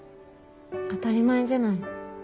当たり前じゃない。